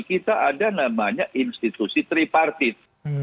kita ada namanya institusi tripartit